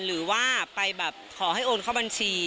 หรือว่าไปแบบขอให้โอนเข้าบัญชี